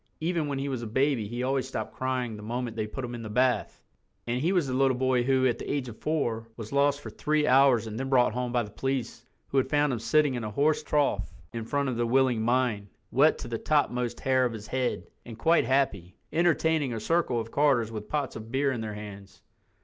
Even when he was a baby he always stopped crying the moment they put him in the bath. And he was the little boy who, at the age of four, was lost for three hours and then brought home by the police who had found him sitting in a horse trough in front of the Willing Mind, wet to the topmost hair of his head, and quite happy, entertaining a circle of carters with pots of beer in their hands.